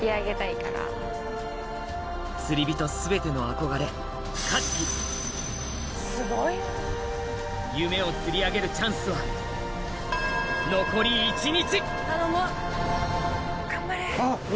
釣り人全ての憧れ夢を釣り上げるチャンスは残り一日！